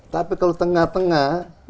tapi kalau tengah tengah